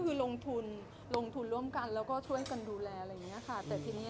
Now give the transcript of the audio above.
เป็นพาร์ทเนอร์คือลงทุนร่วมกันแล้วก็ช่วยกันดูแลอะไรอย่างนี้ค่ะ